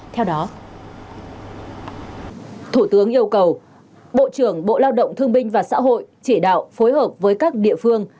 theo đó thủ tướng yêu cầu bộ trưởng bộ lao động thương binh và xã hội chỉ đạo phối hợp với các địa phương